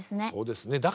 そうですね。